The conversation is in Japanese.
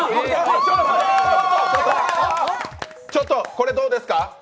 これどうですか？